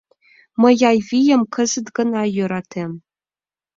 Мый Айвийым кызыт гына йӧратем.